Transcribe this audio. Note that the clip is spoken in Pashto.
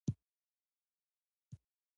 پاکستان هر وخت دي تروريستانو ملاتړ کړی ده.